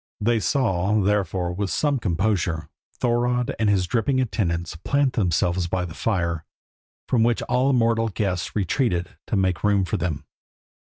They saw, therefore, with some composure, Thorodd and his dripping attendants plant themselves by the fire, from which all mortal guests retreated to make room for them.